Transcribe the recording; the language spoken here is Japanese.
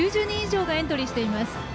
９０人以上がエントリーしています。